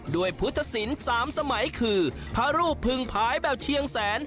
ด้วยพุทธศิลป์๓สมัยคือพระรูปพึงผายแบบเชียงแสน